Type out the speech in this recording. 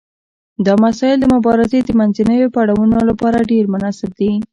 دا مسایل د مبارزې د منځنیو پړاوونو لپاره ډیر مناسب دي.